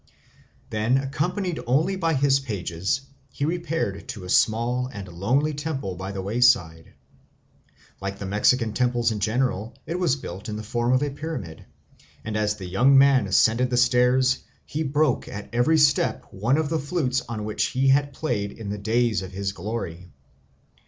Then, accompanied only by his pages, he repaired to a small and lonely temple by the wayside. Like the Mexican temples in general, it was built in the form of a pyramid; and as the young man ascended the stairs he broke at every step one of the flutes on which he had played in the days of his glory.